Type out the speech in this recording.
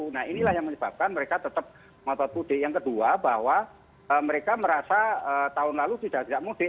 nah inilah yang menyebabkan mereka tetap ngotot mudik yang kedua bahwa mereka merasa tahun lalu sudah tidak mudik